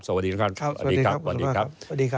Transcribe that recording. สวัสดีครับสวัสดีครับสวัสดีครับ